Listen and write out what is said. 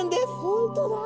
本当だ。